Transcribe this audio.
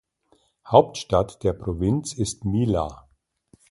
Hauptstadt der Provinz ist Mila.